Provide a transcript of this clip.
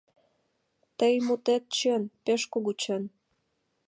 Тыйын мутет чын, пеш кугу чын...